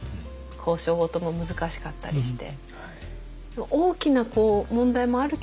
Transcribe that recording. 交渉事も難しかったりして。